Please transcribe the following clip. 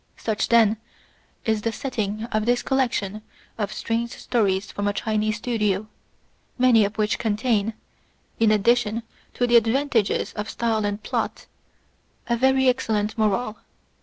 Such, then, is the setting of this collection of Strange Stories from a Chinese Studio^ many of which contain, in addition to the advantages of ^ style and plot, a very excellent moral.